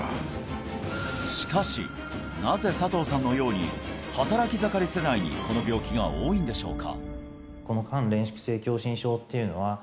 しかしなぜ佐藤さんのように働き盛り世代にこの病気が多いんでしょうか？